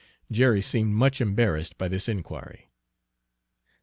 Jerry seemed much embarrassed by this inquiry.